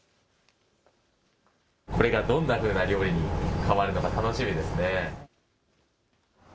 これがどんなふうな料理に変わるのか楽しみですね。